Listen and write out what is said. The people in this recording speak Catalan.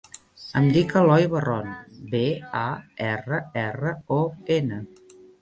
Em dic Eloi Barron: be, a, erra, erra, o, ena.